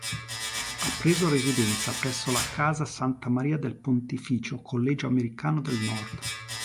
Ha preso residenza presso la Casa Santa Maria del Pontificio collegio americano del Nord.